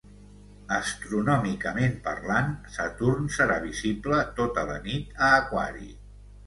Astronòmicament parlant, Saturn serà visible tota la nit a Aquari